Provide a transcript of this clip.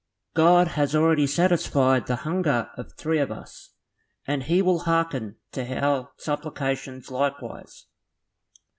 God has already satisfied the hunger of three of us, and he will hearken to our supplications likewise."